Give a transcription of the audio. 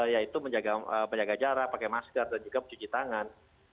yaitu menjaga jarak pakai masker dan juga mencuci tangan